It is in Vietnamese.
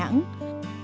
và cho đến nay